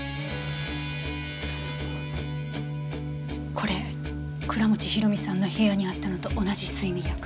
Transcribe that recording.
これ倉持広美さんの部屋にあったのと同じ睡眠薬。